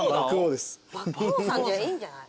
獏王さんいいんじゃない？